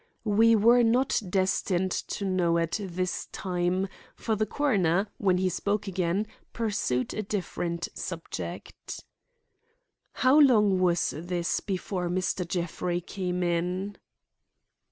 We were not destined to know at this time, for the coroner, when he spoke again, pursued a different subject. "How long was this before Mr. Jeffrey came in."